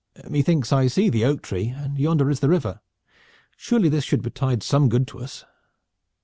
"Methinks I see the oak tree, and yonder is the river. Surely this should betide some good to us."